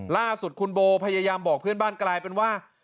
ล่าสุดคุณโบพยายามบอกเพื่อนบ้านกลายเป็นว่า